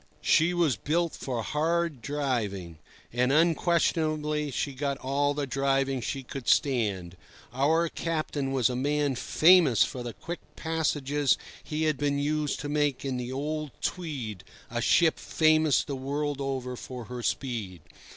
She was built for hard driving, and unquestionably she got all the driving she could stand. Our captain was a man famous for the quick passages he had been used to make in the old Tweed, a ship famous the world over for her speed.